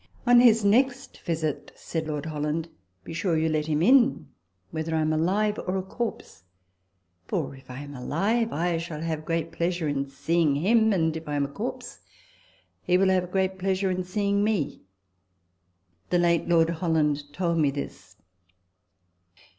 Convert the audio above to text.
" On his next visit," said Lord Holland, " be sure you let him in, whether I am alive or a corpse ; for, if I am alive, I shall have great pleasure in seeing him ; and if I am a corpse, he will have great pleasure in seeing me" The late Lord Holland told me this.